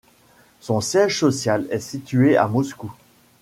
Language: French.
Son siège social est situé à Moscou.